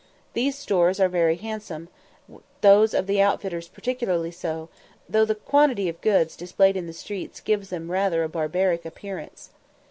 These stores are very handsome, those of the outfitters particularly so, though the quantity of goods displayed in the streets gives them rather a barbaric appearance.